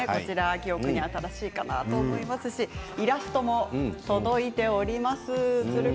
記憶に新しいかなと思いますしイラストも届いております。